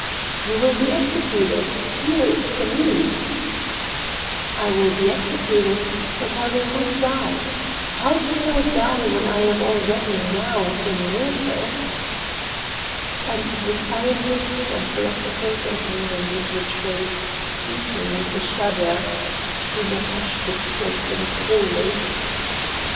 "You will be executed. Here is the noose." "I will be executed, but I will not die. How can I die, when I am already—now—immortal?" And the scientists and philosophers and hangmen would retreat, speaking—with a shudder: "Do not touch this place. It is holy."